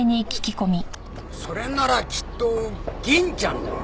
それならきっと銀ちゃんだよ。